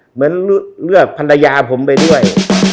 เหมือนเลือกภรรยาผมไปด้วย